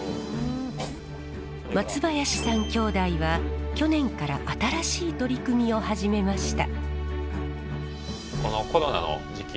松林さん兄弟は去年から新しい取り組みを始めました。